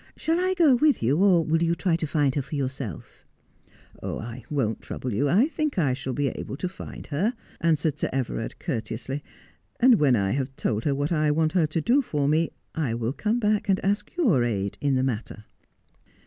Shall I go with you, or will you try to find her for yourself 1 ' 1 1 won't trouble you. I think I shall be able to find her,' answered Sir Everard courteously ;' and when I have told her what I want her to do for me I will come back and ask your aid in the matter.'